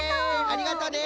ありがとうね！